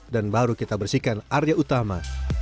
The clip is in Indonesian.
dan baru kita bersihkan area utama